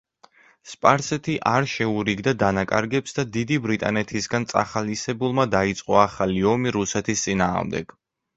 სპარსეთი არ შეურიგდა დანაკარგებს და დიდი ბრიტანეთისგან წახალისებულმა დაიწყო ახალი ომი რუსეთის წინააღმდეგ.